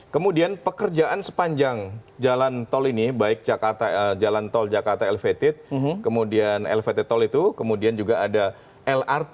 kemudian pekerjaan sepanjang jalan tol ini baik jalan tol jakarta elevated kemudian elevated toll itu kemudian juga ada lrt